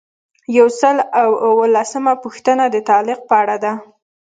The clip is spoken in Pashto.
یو سل او اووه لسمه پوښتنه د تعلیق په اړه ده.